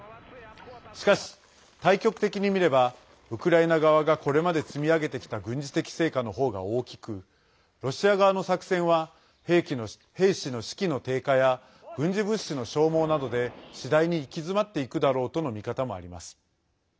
しかし、大局的に見ればウクライナ側がこれまで積み上げてきた軍事的成果のほうが大きくロシア側の作戦は兵士の士気の低下や軍事物資の消耗などで次第に行き詰まっていくだろうとの見方もあります。